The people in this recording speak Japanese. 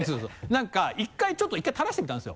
何か１回ちょっと垂らしてみたんですよ。